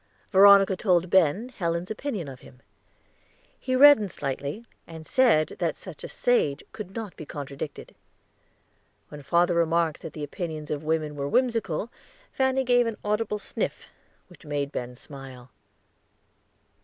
Veronica told Ben Helen's opinion of him; he reddened slightly, and said that such a sage could not be contradicted. When father remarked that the opinions of women were whimsical, Fanny gave an audible sniff, which made Ben smile.